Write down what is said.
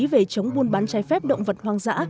về chống buôn bán trái phép động vật hoang dã